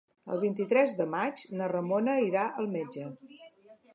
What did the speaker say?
El vint-i-tres de maig na Ramona irà al metge.